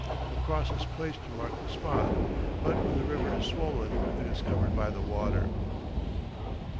A cross is placed to mark the spot, but when the river is swollen, it is covered by the water.